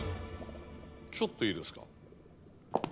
ちょっといいですか？